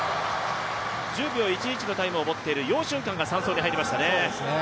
１０秒１１のタイムを持っている楊俊瀚が３走に入りましたね。